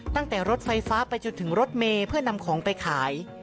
ตั้งแต่รถไฟฟ้าไปจนถึงรถเมย์เพื่อนำของไปขาย